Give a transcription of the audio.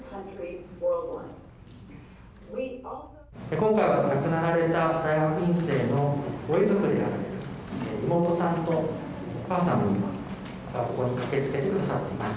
今回は亡くなられた大学院生のご遺族である妹さんとお母さんがここに駆けつけて下さっています。